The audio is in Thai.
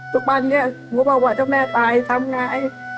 ทุกบ้านเนี่ยหมูบอกว่าเจ้าแม่ตายทำงาน